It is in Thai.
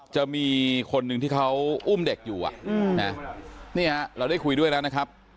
จะมีคนหนึ่งที่เขาอุ้มเด็กอยู่นี่ฮะเราได้คุยด้วยแล้วนะครับ